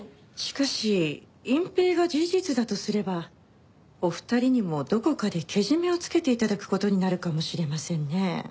しかし隠蔽が事実だとすればお二人にもどこかでけじめをつけて頂く事になるかもしれませんねえ。